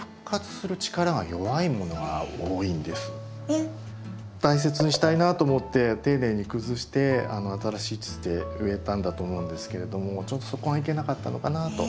あの大切にしたいなと思って丁寧に崩して新しい土で植えたんだと思うんですけれどもちょっとそこがいけなかったのかなと。